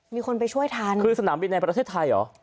มีคนไปช่วยทันคือสนามบินในประเทศไทยเหรอ